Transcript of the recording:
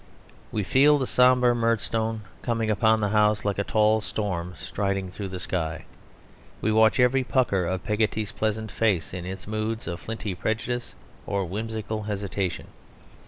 We feel the sombre Murdstone coming upon the house like a tall storm striding through the sky. We watch every pucker of Peggotty's peasant face in its moods of flinty prejudice or whimsical hesitation.